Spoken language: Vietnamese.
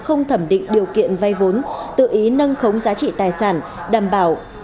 ảnh định điều kiện vay vốn tự ý nâng khống giá trị tài sản đảm bảo